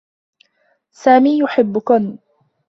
سامي يحبّكنّ.